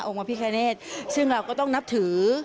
พระพิคเนตซึ่งเราก็ต้องนับถือ